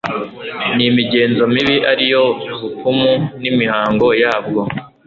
n'imigenzo mibi, ari yo bupfumu n'imihango yabwo